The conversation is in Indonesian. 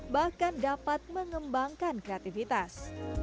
bahkan dapat mengembangkan kreativitas